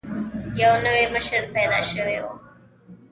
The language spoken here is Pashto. یو نوی مشر پیدا شوی وو.